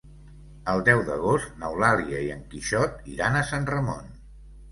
El deu d'agost n'Eulàlia i en Quixot iran a Sant Ramon.